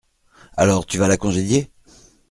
Alors tu vas la congédier ?